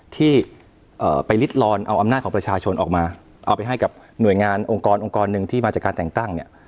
ที่ไปริดลอนเอาอำนาจของประชาชนออกมาเอาไปให้กับหน่วยงานองค์กรองค์กรหนึ่งที่มาจากการแต่งตั้งเนี่ย